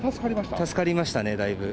助かりましたね、だいぶ。